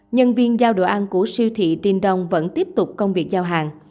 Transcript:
nhân viên giao đồ ăn của siêu thị tin đông vẫn tiếp tục công việc giao hàng